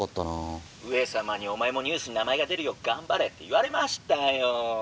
「上様にお前もニュースに名前が出るよう頑張れって言われましたよ」。